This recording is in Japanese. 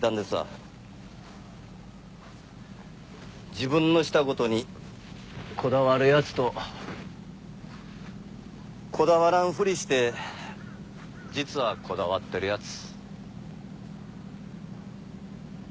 自分のしたことにこだわるヤツとこだわらんフリして実はこだわってるヤツ